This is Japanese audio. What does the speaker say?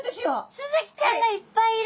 スズキちゃんがいっぱいいる！